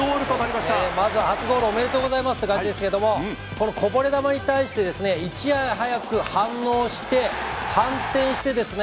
まず初ゴールおめでとうございますという感じですけれどもこのこぼれ球に対していち早く反応して判定してですね